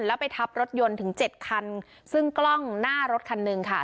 แล้วไปทับรถยนต์ถึงเจ็ดคันซึ่งกล้องหน้ารถคันหนึ่งค่ะ